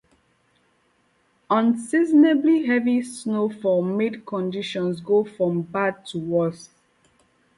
Unseasonably heavy snowfall made conditions go from bad to worse.